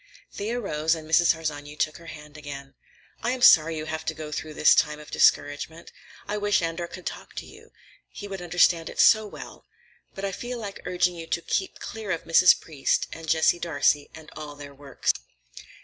Thea rose and Mrs. Harsanyi took her hand again. "I am sorry you have to go through this time of discouragement. I wish Andor could talk to you, he would understand it so well. But I feel like urging you to keep clear of Mrs. Priest and Jessie Darcey and all their works."